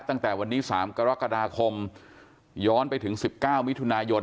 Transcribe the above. ตั้งแต่วันนี้๓กรกฎาคมย้อนไปถึง๑๙มิถุนายน